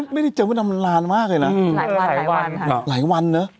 ไม่ได้เจอวันอำนาจมากเลยน่ะหลายวันหลายวันหลายวันเนอะ